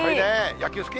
野球好き？